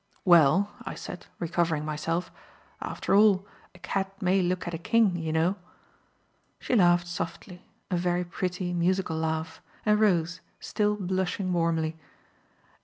"Well," I said, recovering myself, "after all, a cat may look at a king, you know." She laughed softly a very pretty, musical laugh and rose, still blushing warmly.